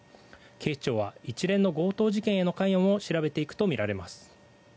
警視庁は一連の強盗事件への関与も調べていくとみられます。